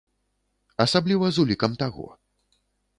Асабліва з улікам таго.